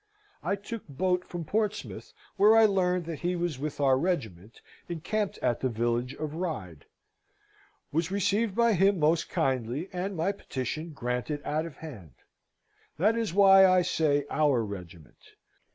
I took boat from Portsmouth, where I learned that he was with our regiment incampt at the village of Ryde. Was received by him most kindly, and my petition granted out of hand. That is why I say our regiment.